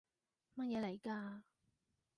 乜嘢嚟㗎？